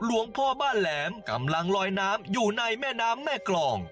หลวงพ่อบ้านแหลมกำลังลอยน้ำอยู่ในแม่น้ำแม่กรอง